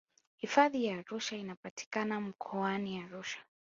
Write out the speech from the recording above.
hifadhi ya arusha inapatikana mkoani arusha